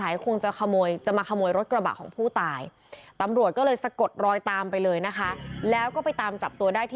ย้อนกลับมา